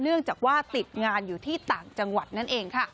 เนื่องจากว่าติดงานอยู่ที่ต่างจังหวัดนั่นเองค่ะ